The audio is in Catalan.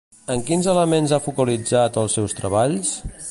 En quins elements ha focalitzat els seus treballs?